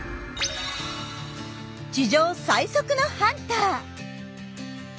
地上最速のハンター。